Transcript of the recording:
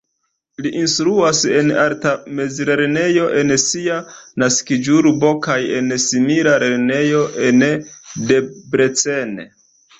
Li instruas en arta mezlernejo en sia naskiĝurbo kaj en simila lernejo en Debrecen.